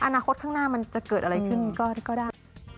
อนาคตข้างหน้ามันจะเกิดอะไรขึ้นก็ได้